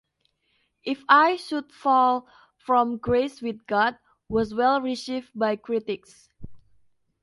"If I Should Fall from Grace with God" was well received by critics.